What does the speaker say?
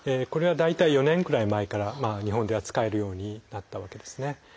これは大体４年くらい前から日本では使えるようになったわけですね。